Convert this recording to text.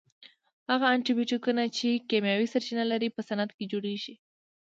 هغه انټي بیوټیکونه چې کیمیاوي سرچینه لري په صنعت کې جوړیږي.